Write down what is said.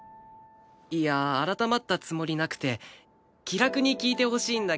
いやあ改まったつもりなくて気楽に聞いてほしいんだけど。